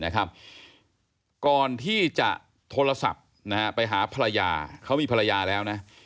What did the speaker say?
ก่อนที่จะโทรศัพท์ไปหาภรรยาเขามีภรรยาแล้วนะ